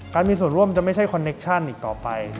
มีส่วนร่วมจะไม่ใช่คอนเคชั่นอีกต่อไป